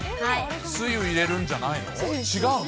つゆ入れるんじゃないの？